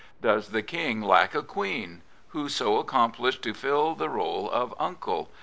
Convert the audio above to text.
Does the king lack a queen? Who so accomplished to fill the rble of uncle?